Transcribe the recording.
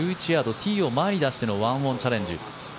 ティーを前に出しての１オンチャレンジ。